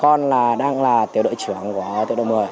con đang là tiểu đội trưởng của tiểu đội một mươi